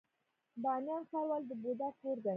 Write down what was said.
بامیان ښار ولې د بودا کور دی؟